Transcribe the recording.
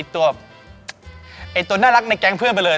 ตัวน่ารักในแก๊งเพื่อนไปเลย